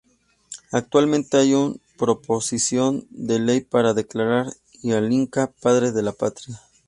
Actualmente hay un proposición de ley para declarar a Hlinka "padre de la patria.